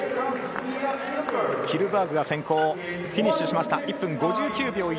キルバーグが先行、フィニッシュしました。